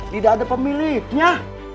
tidak ada pemiliknya